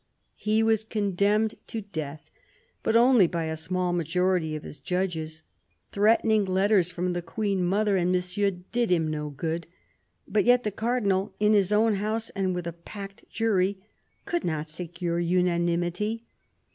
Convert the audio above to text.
He was condemned to death, but only by a small majority of his judges. Threatening letters from the Queen mother and Monsieur did him no good, but yet the Cardinal, in his own house and with a packed jury, could not secure unanimity.